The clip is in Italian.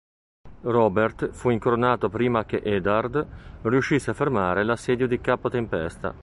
Robert fu incoronato prima che Eddard riuscisse a fermare l'assedio di Capo Tempesta.